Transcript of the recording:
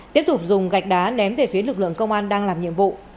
tiếp tục dùng gạch đá ném về phía lực lượng công an đang làm nhiệm vụ